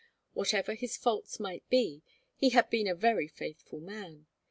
Whatever his faults might be, he had been a very faithful man.